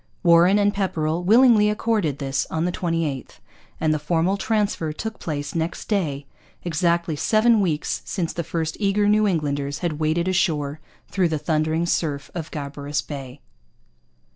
Warren and Pepperrell willingly accorded this on the 28th; and the formal transfer took place next day, exactly seven weeks since the first eager New Englanders had waded ashore through the thundering surf of Gabarus Bay.